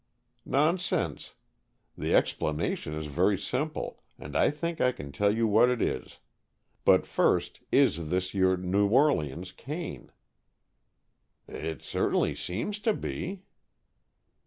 "Nonsense. The explanation is very simple, and I think I can tell you what It is. But first, is this your New Orleans cane?" "It certainly seems to be."